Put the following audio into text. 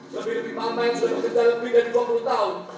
lebih lebih paham main setelah kerja lebih dari dua puluh tahun